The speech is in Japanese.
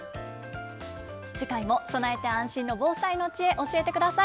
次回も備えて安心の防災の知恵教えてください。